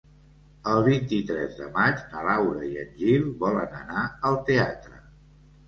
El vint-i-tres de maig na Laura i en Gil volen anar al teatre.